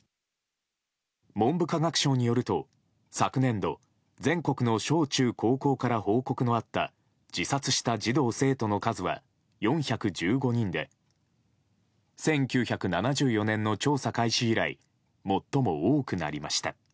文部科学省によると昨年度、全国の小中高校から報告のあった自殺した児童・生徒の数は４１５人で１９７４年の調査開始以来最も多くなりました。